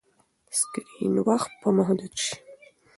سکرین وخت به محدود شي.